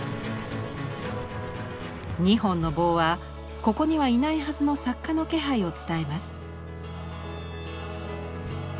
２本の棒はここにはいないはずの作家の気配を伝えます。